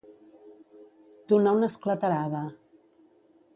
Donar una esclatarada.